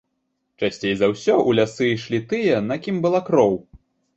Часцей за ўсё, у лясы ішлі тыя, на кім была кроў.